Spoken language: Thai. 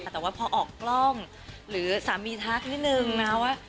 แต่ว่าพอออกกล้องหรือสามีทักนิดนึงนะว่า